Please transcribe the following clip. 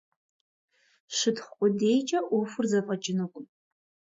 Щытхъу къудейкӀэ Ӏуэхур зэфӀэкӀынукъым.